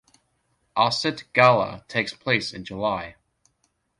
Ossett Gala takes place in July.